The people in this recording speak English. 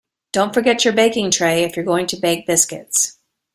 Don't forget your baking tray if you're going to bake biscuits